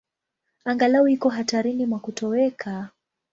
Angalau iko hatarini mwa kutoweka.